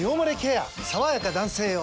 さわやか男性用」